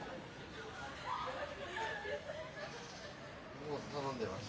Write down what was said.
もう頼んでます。